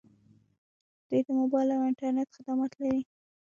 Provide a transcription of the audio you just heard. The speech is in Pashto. دوی د موبایل او انټرنیټ خدمات لري.